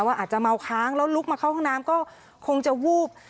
อาจจะเมาค้างแล้วลุกมาเข้าห้องน้ำก็คงจะวูบ